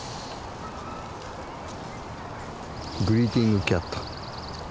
グリーティングキャット。